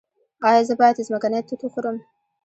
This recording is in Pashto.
ایا زه باید ځمکنۍ توت وخورم؟